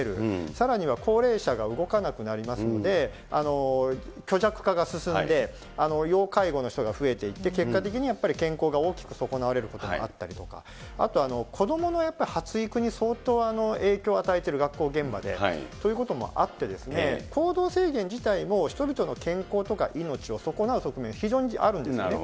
さらには高齢者が動かなくなりますので、虚弱化が進んで、要介護の人が増えていって、結果的にやっぱり健康が大きく損なわれることもあったりとか、あと、子どものやっぱり発育に相当影響を与える学校現場で、ということもあって、行動制限自体を、人々の健康とか命を損なう側面、非常にあるんですね。